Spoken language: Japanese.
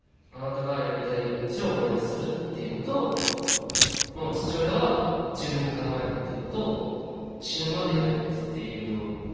「あなたがやりたい道を応援する」っていうのと父親は「自分で考えろ」っていうのと「死ぬまでやれ」っていうのを。